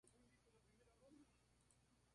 Ésta era la banda que acompañaba a Minimal en su show.